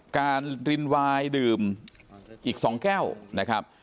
การรินวายดื่มอีก๒แก้วนะครับ